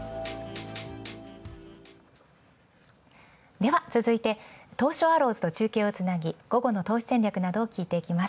では、続いて東証アローズと中継をつなぎ、午後の投資戦略などを聞いていきます。